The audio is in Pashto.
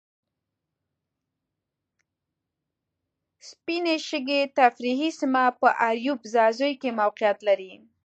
سپینې شګې تفریحي سیمه په اریوب ځاځیو کې موقیعت لري.